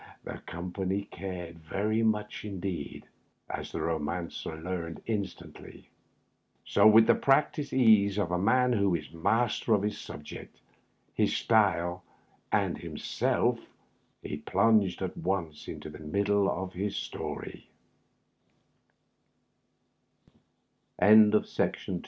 The company cared very much indeed, ^ the Bomanoer learned instantly ; so, with the practiced ease of a man who is master of his subject, his style, and himself, he plunged at once into the m